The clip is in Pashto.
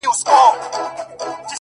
ستا د شعر دنيا يې خوښـه سـوېده!